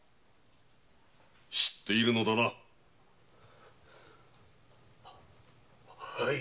知っているのだな！ははい。